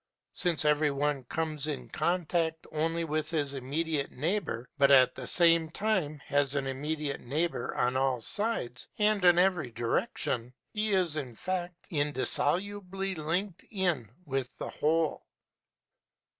Since every one comes in contact only with his immediate neighbor, but, at the same time, has an immediate neighbor on all sides and in every direction, he is, in fact, indissolubly linked in with the whole.